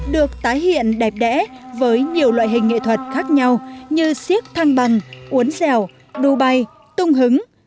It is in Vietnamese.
được tái hiện đẹp đẽ với nhiều loại hình nghệ thuật khác nhau như siếc thăng bằng uốn dẻo đu bay tung hứng